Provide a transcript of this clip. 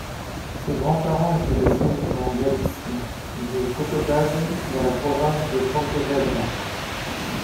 Ses grands-parents étaient des immigrants Galiciens, de Cotobade dans la province de Pontevedra.